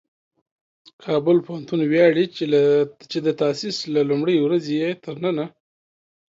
کابل پوهنتون ویاړي چې د تاسیس له لومړۍ ورځې یې تر ننه